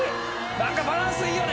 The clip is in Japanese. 何かバランスいいよね。